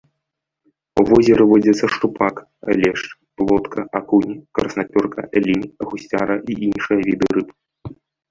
У возеры водзяцца шчупак, лешч, плотка, акунь, краснапёрка, лінь, гусцяра і іншыя віды рыб.